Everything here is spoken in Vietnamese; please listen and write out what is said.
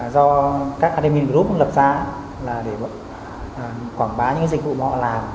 do các admin group lập ra là để quảng bá những dịch vụ mà họ làm